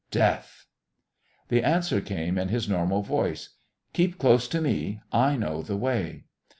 Death! The answer came in his normal voice: "Keep close to me. I know the way...."